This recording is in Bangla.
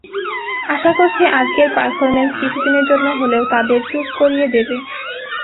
আশা করছি, আজকের পারফরম্যান্স কিছুদিনের জন্য হলেও তাদের চুপ করিয়ে দেবে।